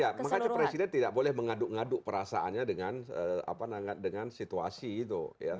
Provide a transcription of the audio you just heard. ya makanya presiden tidak boleh mengaduk ngaduk perasaannya dengan situasi itu